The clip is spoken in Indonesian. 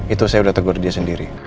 itu saya udah tegur dia sendiri